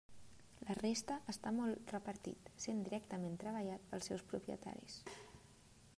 La resta està molt repartit, sent directament treballat pels seus propietaris.